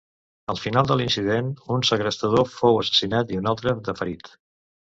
Al final de l'incident, un segrestador fou assassinat i un altre de ferit.